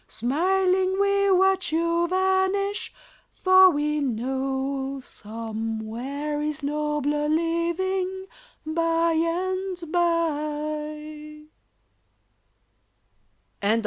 Smiling we watch you vanish, for we know Somewhere is nobler living by and by.